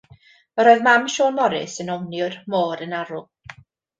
Yr oedd mam Siôn Morys yn ofni'r môr yn arw.